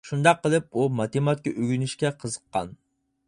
شۇنداق قىلىپ ئۇ ماتېماتىكا ئۆگىنىشكە قىزىققان.